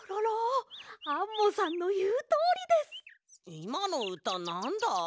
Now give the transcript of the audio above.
いまのうたなんだ？